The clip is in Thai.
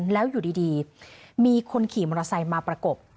แล้วอยู่ดีมีคนขี่มอเตอร์ไซค์มาประกบ